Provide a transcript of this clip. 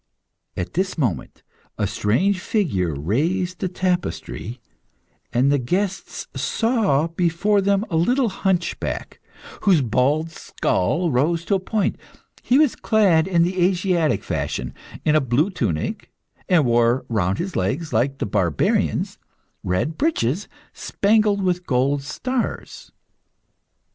At this moment a strange figure raised the tapestry, and the guests saw before them a little hunchback, whose bald skull rose in a point. He was clad, in the Asiatic fashion, in a blue tunic, and wore round his legs, like the barbarians, red breeches, spangled with gold stars.